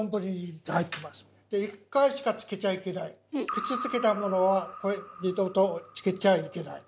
口つけたものは二度とつけちゃいけない。